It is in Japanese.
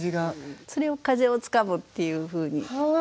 それを「風をつかむ」っていうふうに。